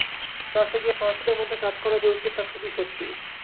ফ্রান্সে গিয়ে ফরাসীদের মধ্যে কাজ করা যে উচিত, তা খুবই সত্যি।